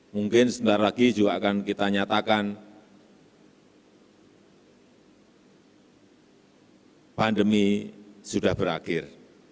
mungkin sebentar lagi juga akan kita nyatakan pandemi sudah berakhir